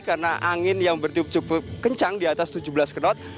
karena angin yang bertiup cukup kencang di atas tujuh belas knot